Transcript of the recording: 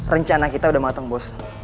rencana kita udah mateng bus